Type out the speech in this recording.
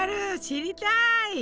知りたい！